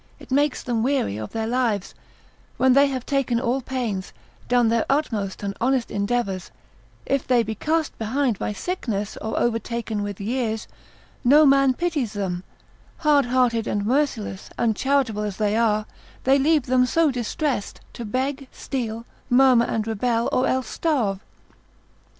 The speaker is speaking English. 1, it makes them weary of their lives: when they have taken all pains, done their utmost and honest endeavours, if they be cast behind by sickness, or overtaken with years, no man pities them, hard hearted and merciless, uncharitable as they are, they leave them so distressed, to beg, steal, murmur, and rebel, or else starve.